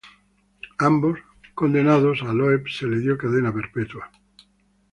Ambos condenados -a Loeb se le dio cadena perpetua-.